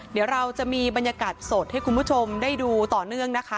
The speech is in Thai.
เดี๋ยวเราจะมีบรรยากาศสดให้คุณผู้ชมได้ดูต่อเนื่องนะคะ